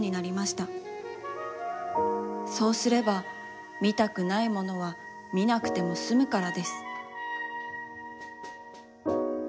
そうすればみたくないものはみなくてもすむからです。